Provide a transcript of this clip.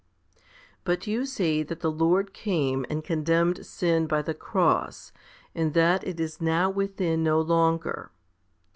14. But you say that the Lord came and condemned sin 2 by the cross, and that it is now within no longer.